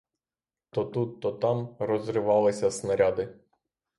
То тут, то там розривалися снаряди.